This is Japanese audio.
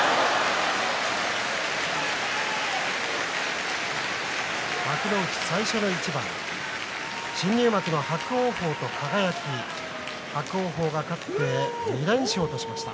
拍手幕内最初の一番新入幕の伯桜鵬と輝、伯桜鵬が勝って２連勝としました。